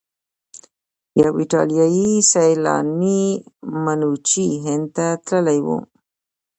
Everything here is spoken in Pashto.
یو ایټالیایی سیلانی منوچي هند ته تللی و.